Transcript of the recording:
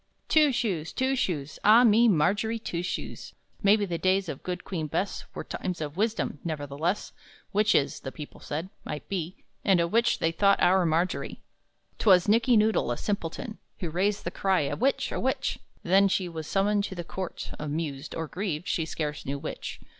Two Shoes, Two Shoes, Ah me, Margery Two Shoes! Maybe the days of good Queen Bess Were times of wisdom; nevertheless, Witches (the people said) might be And a witch they thought our Margery! 'Twas Nickey Noodle, a simpleton, Who raised the cry, "A witch, a witch!" Then she was summoned to the court, Amused, or grieved, she scarce knew which.